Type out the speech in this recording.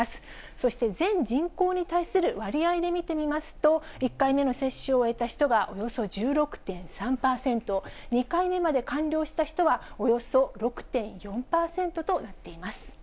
そして、全人口に対する割合で見てみますと、１回目の接種を終えた人がおよそ１６．３％、２回目まで完了した人はおよそ６．４％となっています。